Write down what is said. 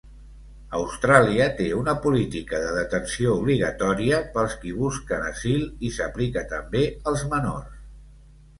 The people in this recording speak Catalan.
Austràlia té una política de detenció obligatòria pels qui busquen asil, i s'aplica també als menors.